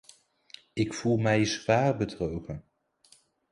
Ik voel mij zwaar bedrogen.